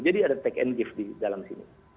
jadi ada take and give di dalam sini